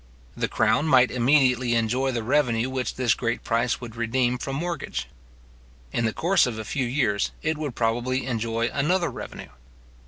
The crown might immediately enjoy the revenue which this great price would redeem from mortgage. In the course of a few years, it would probably enjoy another revenue.